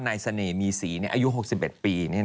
เสน่ห์มีศรีอายุ๖๑ปี